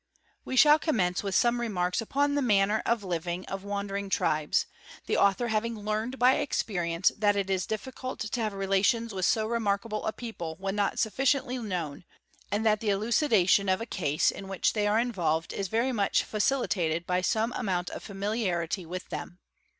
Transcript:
We shall commence with some remarks upon the manner of living of wandering tribes, the author having learned by experience that it is _ difficult to have relations with so remarkable a people when not sufficiently _ known, and that the elucidation of a case in which they are involved is very much facilitated by some amount of familiarity with them.